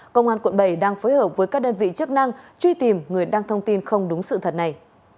công an quận bảy đang phối hợp với các đơn vị chức năng truy tìm người đăng thông tin không đúng sự thật này